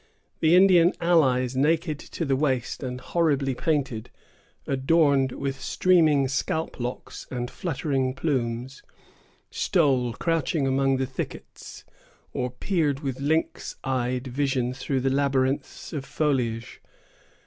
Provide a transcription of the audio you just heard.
The Indian allies, naked to the waist and horribly painted, adorned with streaming scalp locks and fluttering plumes, stole crouching among the thickets, or peered with lynx eyed vision through the labyrinths of foliage.